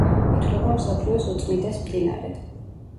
ითვლება მსოფლიოს უწმიდეს მდინარედ.